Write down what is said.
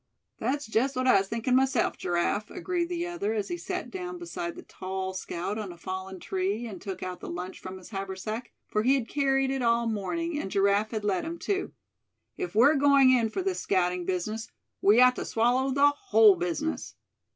"That's just what I was thinking myself, Giraffe," agreed the other, as he sat down beside the tall scout on a fallen tree, and took out the lunch from his haversack, for he had carried it all morning, and Giraffe had let him, too; "if we're going in for this scouting business, we ought to swallow the whole business.